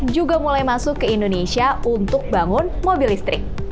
juga mulai masuk ke indonesia untuk bangun mobil listrik